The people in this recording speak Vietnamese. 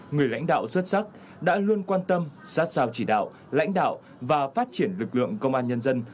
người lãnh đạo xuất sắc đã luôn quan tâm sát sao chỉ đạo lãnh đạo và phát triển lực lượng công an nhân dân